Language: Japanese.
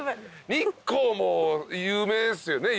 日光も有名ですよね